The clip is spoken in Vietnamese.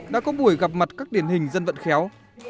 đã có buổi gặp mặt các điển hình dân vận khéo